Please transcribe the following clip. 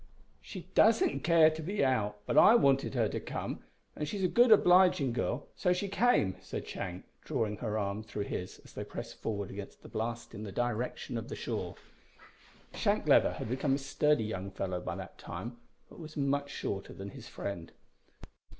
"She doesn't care to be out, but I wanted her to come, and she's a good obliging girl, so she came," said Shank, drawing her arm through his as they pressed forward against the blast in the direction of the shore. Shank Leather had become a sturdy young fellow by that time, but was much shorter than his friend.